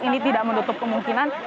ini tidak menutup kemungkinan